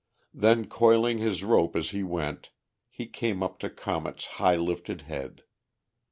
Then coiling his rope as he went, he came up to Comet's high lifted head.